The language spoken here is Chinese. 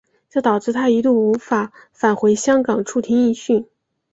这导致他一度无法返回香港出庭应讯。